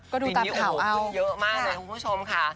ก็ดูตรับแถวเอาขึ้นเยอะมากเลยคุณผู้ชมค่ะ